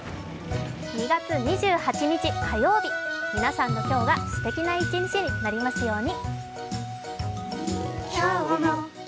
２月２８日火曜日、皆さんの今日がすてきな一日になりますように。